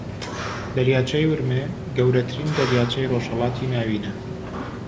دەریاچەی ورمێ گەورەترین دەریاچەی ڕۆژھەڵاتی ناوینە